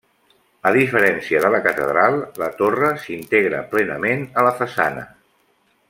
A diferència de la catedral, la torre s'integra plenament a la façana.